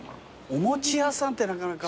お餅屋さんってなかなか。